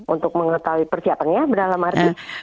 untuk mengetahui persiapannya dalam arti